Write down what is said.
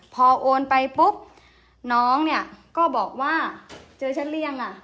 พอโอนไปปุ๊บน้องเนี่ยก็บอกว่าเจอฉันหรือยังอ่ะ